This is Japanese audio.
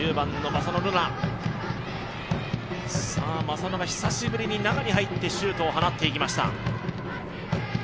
正野が久しぶりに中に入ってシュートを放っていきました。